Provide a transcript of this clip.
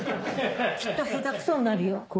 きっと下手くそになるよ。